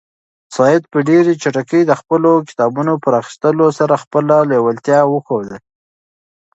سعید په ډېرې چټکۍ د خپلو کتابونو په راخیستلو سره خپله لېوالتیا وښوده.